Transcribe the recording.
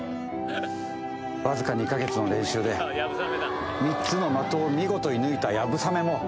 僅か２か月の練習で、３つの的を見事射抜いた流鏑馬も。